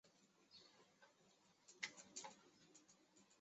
它是康德哲学中的重要概念。